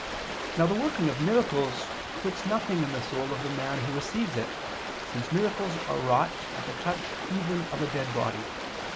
Now the working of miracles puts nothing in the soul of the man who receives it since miracles are wrought at the touch even of a dead body.